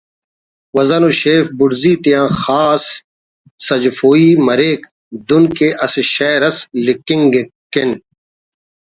وزن و شیف بڑزی تیا خاص سجفوئی مریک دن کہ اسہ شئیر اس لکھنگ کن